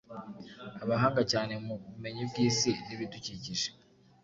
abahanga cyane mu bumenyi bw’isi n’ibidukikije